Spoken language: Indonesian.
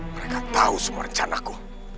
mereka tau semua rencanaku